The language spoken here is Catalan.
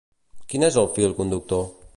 Quin és el fil conductor?